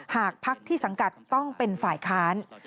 หากพักที่สังกัดต้องเป็นฝ่ายค้าน